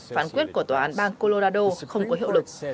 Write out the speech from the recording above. phán quyết của tòa án bang colorado không có hiệu lực